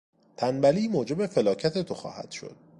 تنبلی موجب فلاکت تو خواهد شد!